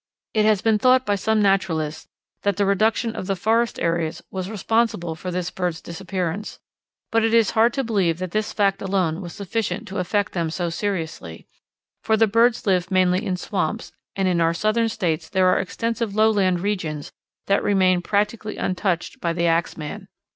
It has been thought by some naturalists that the reduction of the forest areas was responsible for this bird's disappearance, but it is hard to believe that this fact alone was sufficient to affect them so seriously, for the birds live mainly in swamps, and in our Southern States there are extensive lowland regions that remain practically untouched by the axeman.